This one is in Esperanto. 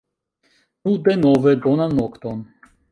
Nu denove, bonan nokton.